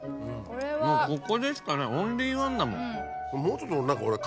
もうここでしかないオンリーワンだもん。